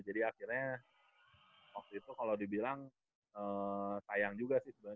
jadi akhirnya waktu itu kalau dibilang sayang juga sih sebenarnya